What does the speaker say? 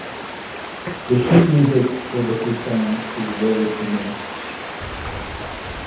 The sheet music for the two songs is very similar.